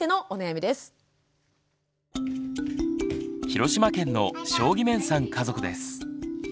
広島県の將基面さん家族です。